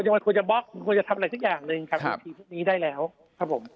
มันควรจะบล็อกคุณควรจะทำอะไรสักอย่างหนึ่งกับทีมพวกนี้ได้แล้วครับผม